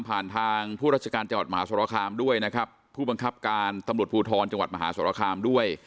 ทางผู้ราชการจังหวัดมหาสรคามด้วยนะครับผู้บังคับการตำรวจภูทรจังหวัดมหาสรคามด้วย